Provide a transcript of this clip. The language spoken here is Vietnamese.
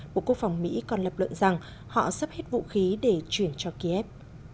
bộ quốc phòng mỹ còn lập luận rằng họ sắp hết vũ khí để chuyển cho kiev